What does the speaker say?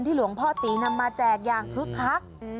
หลวงพ่อตีนำมาแจกอย่างคึกคัก